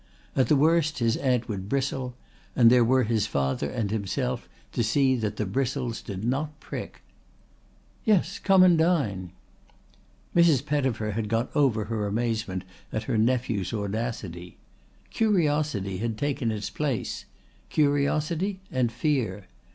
At the worst his aunt would bristle, and there were his father and himself to see that the bristles did not prick. "Yes, come and dine." Mrs. Pettifer had got over her amazement at her nephew's audacity. Curiosity had taken its place curiosity and fear.